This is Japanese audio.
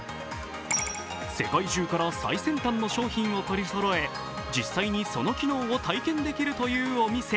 世界中から最先端の商品を取りそろえ実際にその機能を体験できるというお店。